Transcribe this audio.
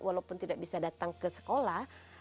walaupun tidak bisa datang ke sekolah